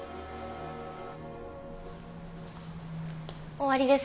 終わりです。